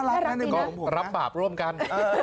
รับบาปร่วมกัน